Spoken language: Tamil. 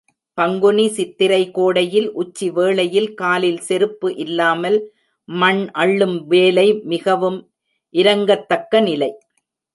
பங்குனி சித்திரை கோடையில் உச்சி வேளையில் காலில் செருப்பு இல்லாமல் மண் அள்ளும் வேலை மிகவும் இரங்கத்தக்க நிலை.